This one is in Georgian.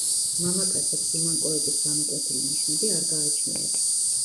მამაკაცებს უმანკოების გამოკვეთილი ნიშნები არ გააჩნიათ.